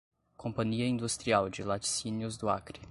Companhia Industrial de Laticínios do Acre